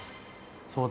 そうだ。